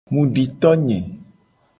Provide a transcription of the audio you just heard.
Mu di to nye.